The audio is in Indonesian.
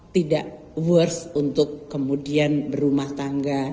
tidak worst untuk kemudian berumah tangga